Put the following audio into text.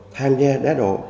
tham gia đá độ